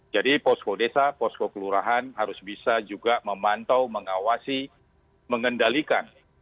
jadi posko desa posko kelurahan harus bisa juga memantau mengawasi mengendalikan